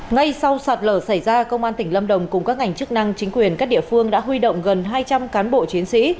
ngay sau sạt lở xảy ra công an tỉnh lâm đồng cùng các ngành chức năng chính quyền các địa phương đã huy động gần hai trăm linh cán bộ chiến sĩ